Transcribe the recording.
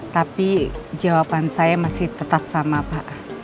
tapi jawaban saya masih tetap sama pak